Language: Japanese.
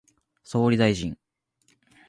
総理大臣